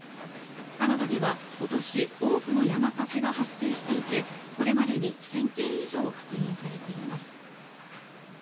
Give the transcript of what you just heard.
カナダでは今年多くの山火事が発生していてこれまでに１０００件以上確認されています。